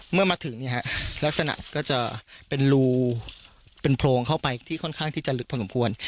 เมื่อมาถึงลักษณะก็จะเป็นรูเป็นโพรงเข้าไปที่ค่อนข้างที่จะลึกพอสมควร